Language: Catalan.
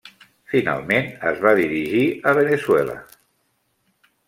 Finalment es va dirigir a Veneçuela.